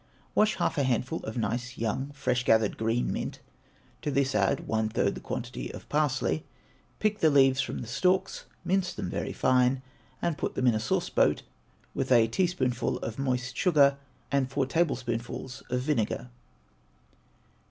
Wash half a handful of nice, young, fresh gathered green mint (to this add one third the quantity of parsley), pick the leaves from the stalks, mince them very fine, and put them into a sauce boat, with a teaspoonful of moist sugar and four tablespoonfuls of vinegar.